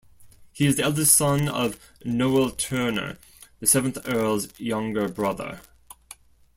He is the eldest son of Noel Turnour, the seventh Earl's younger brother.